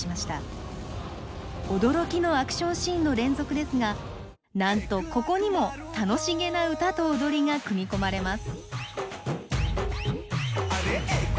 驚きのアクションシーンの連続ですがなんとここにも楽しげな歌と踊りが組み込まれます。